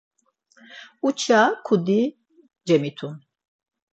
Uça kudi cemitun.